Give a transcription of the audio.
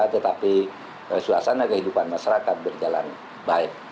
tetapi suasana kehidupan masyarakat berjalan baik